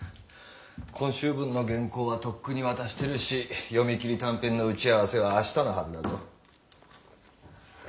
今週分の原稿はとっくに渡してるし「読み切り短編」の打ち合わせは明日のはずだぞ。